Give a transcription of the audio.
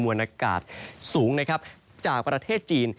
วนอากาศสูงนะครับจากประเทศจีน